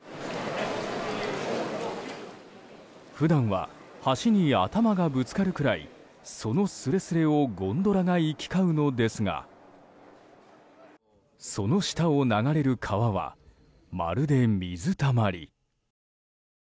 普段は橋に頭がぶつかるくらいそのすれすれをゴンドラが行き交うのですがその下を流れる川はまるで水たまり。